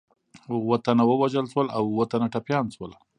اووه تنه ووژل شول او اووه تنه ټپیان شول.